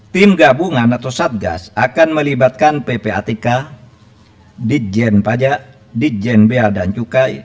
tim gabungan atau satgas akan melibatkan ppatk dijen pajak dijen bea dan cukai